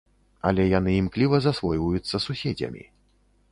Але яны імкліва засвойваюцца суседзямі.